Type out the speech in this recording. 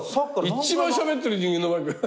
一番しゃべってる人間のマイク。